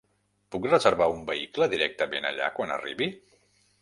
Puc reservar un vehicle directament allà quan arribi?